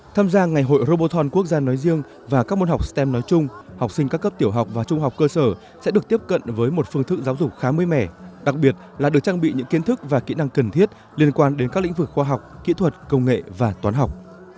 tham gia ngày hội roboton quốc gia nói riêng và các môn học stem nói chung học sinh các cấp tiểu học và trung học cơ sở sẽ được tiếp cận với một phương thức giáo dục khá mới mẻ đặc biệt là được trang bị những kiến thức và kỹ năng cần thiết liên quan đến các lĩnh vực khoa học kỹ thuật công nghệ và toán học